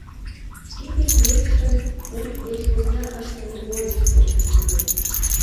— Тиде йӧршын уш деч посна ыштыме ой! — шоктыш тудо.